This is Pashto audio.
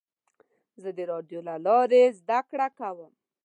زه د راډیو له لارې زده کړه کوم.